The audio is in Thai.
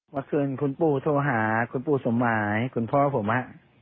วันคืนคุณปู่โทรหาคุณปู่สมหายคุณพ่อผมฮะ